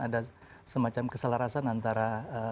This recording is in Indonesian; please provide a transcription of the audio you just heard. ada semacam keselarasan antara